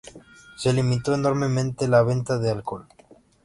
Se limitó enormemente la venta de alcohol.